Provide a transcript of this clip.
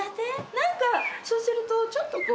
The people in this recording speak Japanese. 何かそうするとちょっとこう。